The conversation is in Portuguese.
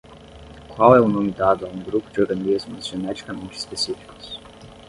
Qual é o nome dado a um grupo de organismos geneticamente específicos?